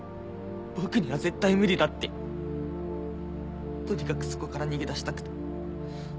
僕には絶対無理だってとにかくそこから逃げ出したくて。